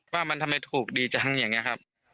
ว่ามันทำไมถูกดีจังอย่างนี้ครับ